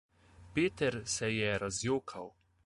Peter se je razjokal.